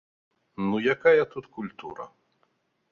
Ну якая тут культура?